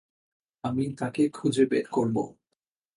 আমি তোকে খুঁজে বের করবো।